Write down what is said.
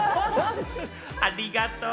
ありがとう！